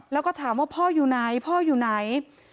แล้วก็ถามว่าพ่ออยู่ไหนพ่ออยู่ไหน